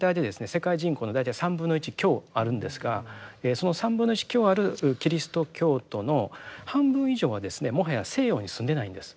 世界人口の大体３分の１強あるんですがその３分の１強あるキリスト教徒の半分以上はですねもはや西洋に住んでないんです。